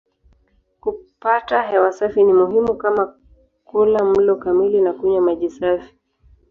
Kupata hewa safi ni muhimu kama kula mlo kamili na kunywa maji safi.